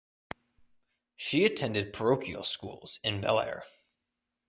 She attended parochial schools in Bel Air.